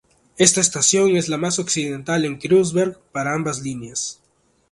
Esta estación es la más occidental en Kreuzberg para ambas líneas.